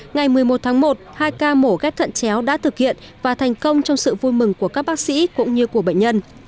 ngày một mươi một tháng một hai ca mổ ghép thận chéo đã thực hiện và thành công trong sự vui mừng của các bác sĩ cũng như của bệnh nhân